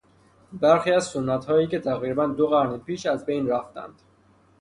برخی از سنتهایی که تقریبا دو قرن پیش ازبین رفتند